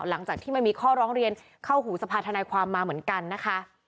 หลังจากที่มันมีข้อร้องเรียนเข้าหูสภาธนายความมาเหมือนกันนะคะ